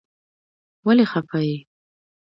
ولې خفه يې.